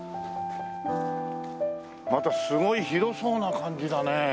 またすごい広そうな感じだね。